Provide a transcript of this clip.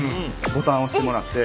ボタン押してもらって。